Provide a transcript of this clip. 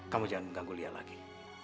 kamu jangan mengganggu dia lagi